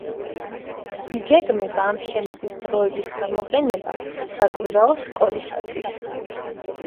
იგეგმება ამ შენობის დროებით გამოყენება საკვირაო სკოლისათვის.